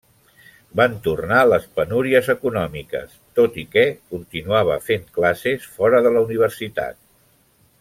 Va tornar les penúries econòmiques, tot i que continuava fent classes fora de la universitat.